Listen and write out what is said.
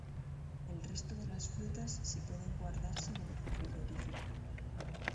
El resto de las frutas si pueden guardarse en el frigorífico.